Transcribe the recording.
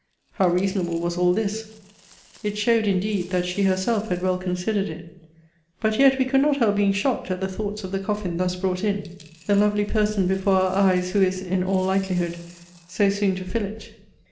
How reasonable was all this! It showed, indeed, that she herself had well considered it. But yet we could not help being shocked at the thoughts of the coffin thus brought in; the lovely person before our eyes who is, in all likelihood, so soon to fill it.